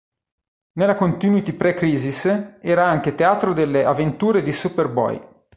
Nella continuity pre-"Crisis" era anche teatro delle avventure di Superboy.